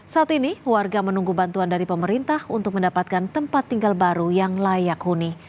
saat ini warga menunggu bantuan dari pemerintah untuk mendapatkan tempat tinggal baru yang layak huni